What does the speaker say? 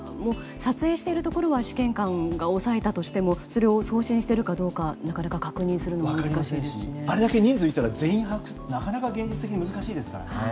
撮影しているところは試験官が抑えたとしてもそれを送信しているかどうかなかなか確認するのは難しいですよね。